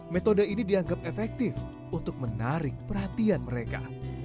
metode ini dianggap efektif untuk menarik perhatian mereka